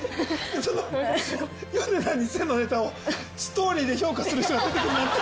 ヨネダ２０００のネタをストーリーで評価する人が出てくるなんて。